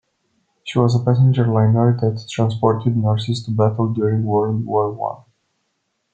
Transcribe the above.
She was a passenger liner that transported nurses to battle during World War One.